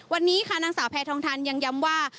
วันนี้ค่ะนางสาวแพทองทันยังย้ำว่า